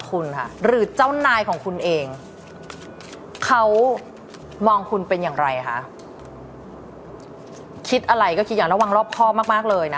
คิดอะไรที่อยู่คือระวังรอบคล่อกลับมาก